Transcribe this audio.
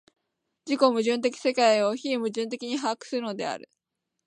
自己矛盾的世界を非矛盾的に把握するのである。